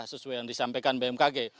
sesuai yang disampaikan bmkg